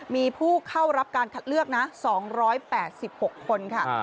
มีผู้เข้ารับการคัดเลือกนะ๒๘๖คนค่ะ